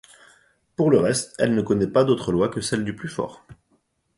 Pour le reste, elle ne connaît pas d'autres lois que celle du plus fort.